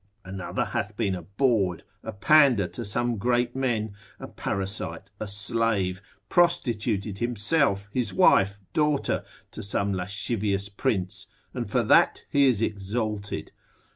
Another hath been a bawd, a pander to some great men, a parasite, a slave, prostituted himself, his wife, daughter, to some lascivious prince, and for that he is exalted.